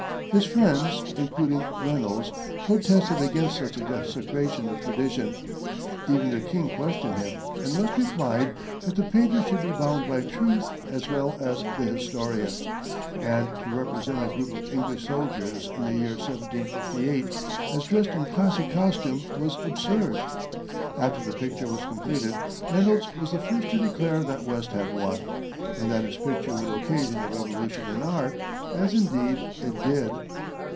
His friends, including Reynolds, protested against such a desecration of tradition; even the King questioned him, and West replied that the painter should be bound by truth as well as the historian, and to represent a group of English soldiers in the year 1758 as dressed in classic costume was absurd. After the picture was completed, Reynolds was the first to declare that West had won, and that his picture would occasion a revolution in art as, indeed, it did.